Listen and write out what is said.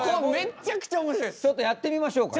ちょっとやってみましょうか今。